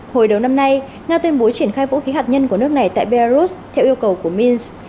hồi đầu năm nay nga tuyên bố triển khai vũ khí hạt nhân của nước này tại belarus theo yêu cầu của minsk